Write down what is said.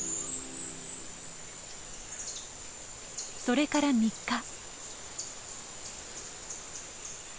それから三日。